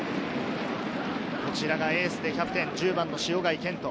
エースでキャプテン・１０番の塩貝健人。